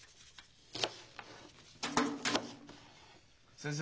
先生。